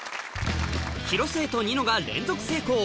広末とニノが連続成功